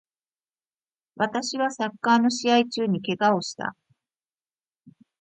私はサッカーの試合中に怪我をした